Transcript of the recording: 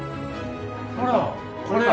ほらこれ！